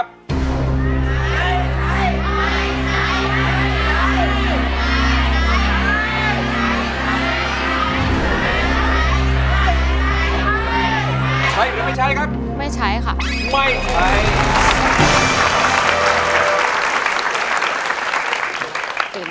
เพลงแรกของเจ้าเอ๋ง